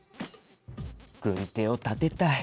軍手を立てたい。